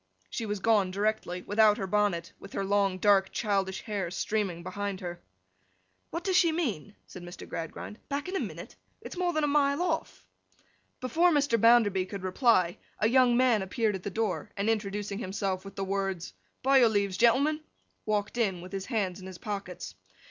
She was gone directly, without her bonnet; with her long, dark, childish hair streaming behind her. 'What does she mean!' said Mr. Gradgrind. 'Back in a minute? It's more than a mile off.' Before Mr. Bounderby could reply, a young man appeared at the door, and introducing himself with the words, 'By your leaves, gentlemen!' walked in with his hands in his pockets.